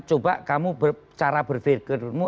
coba kamu cara berpikirmu